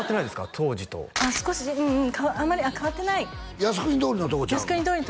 当時と少しうんうんあんまりあっ変わってない靖国通りのとこちゃうの？